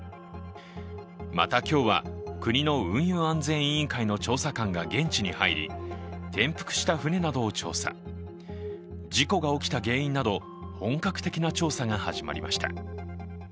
また、今日は国の運輸安全委員会の調査官が現地に入り転覆した舟などを調査事故が起きた原因など本格的な調査が始まりました。